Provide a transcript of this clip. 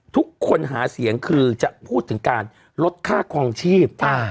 ทุกคนหาเสียงจะพูดเรื่องรถค่าความนิขาด